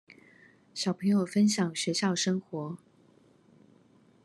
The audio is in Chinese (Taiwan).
小朋友分享學校生活